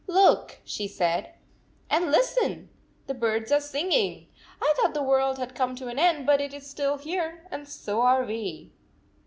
" Look," she said, "and listen ! The birds are singing! I thought the world had come to an end, but it is still here, and ^so are we."